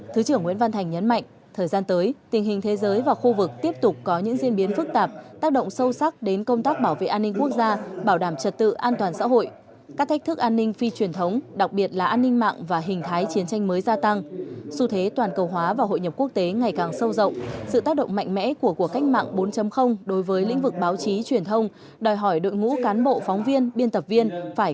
thứ trưởng nguyễn văn thành nhấn mạnh thời gian tới tình hình thế giới và khu vực tiếp tục có những diễn biến phức tạp tác động sâu sắc đến công tác bảo vệ an ninh quốc gia bảo đảm trật tự an toàn xã hội các thách thức an ninh phi truyền thống đặc biệt là an ninh mạng và hình thái chiến tranh mới gia tăng su thế toàn cầu hóa và hội nhập quốc tế ngày càng sâu rộng sự tác động mạnh mẽ của cuộc cách mạng bốn đối với lĩnh vực báo chí truyền thông đòi hỏi đội ngũ cán bộ phóng viên biên tập viên phải